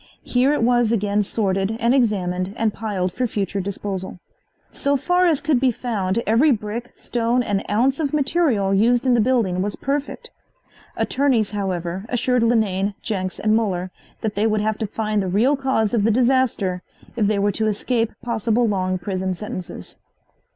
Here it was again sorted and examined and piled for future disposal. So far as could be found every brick, stone and ounce of material used in the building was perfect. Attorneys, however, assured Linane, Jenks and Muller that they would have to find the real cause of the disaster if they were to escape possible long prison sentences.